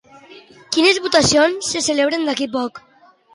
Quines votacions se celebraran d'aquí poc?